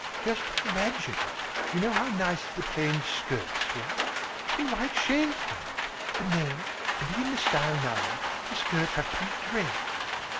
Just imagine, you know how nice the plain skirts were. Then why change them? But no, to be in style now, the skirts have to be draped.